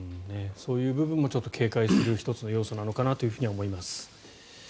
そういう部分も警戒する１つの要素なのかなと思います。